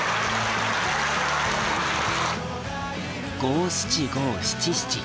五・七・五・七・七。